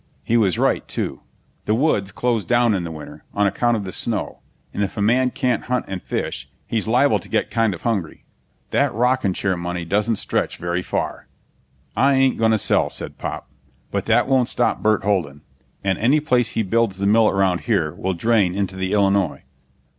He was right, too. The woods close down in the winter, on account of the snow, and if a man can't hunt and fish he's liable to get kind of hungry. That rocking chair money doesn't stretch very far. "I ain't gonna sell," said Pop. "But that won't stop Burt Holden, and any place he builds the mill around here will drain into the Illinois."